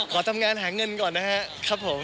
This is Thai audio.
ขอทำงานหาเงินก่อนนะครับผม